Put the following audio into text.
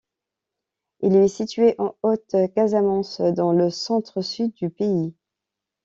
Il est situé en Haute-Casamance, dans le centre-sud du pays.